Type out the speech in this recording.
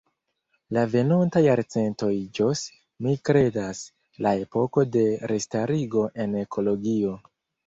La venonta jarcento iĝos, mi kredas, la epoko de restarigo en ekologio".